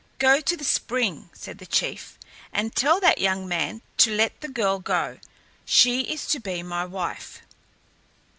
"Go to the spring," said the chief, "and tell that young man to let the girl go; she is to be my wife."